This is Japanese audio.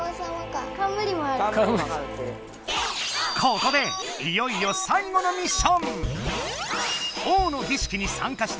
ここでいよいよさい後のミッション！